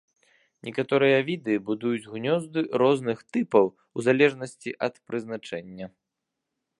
Некаторыя віды будуюць гнёзды розных тыпаў у залежнасці ад прызначэння.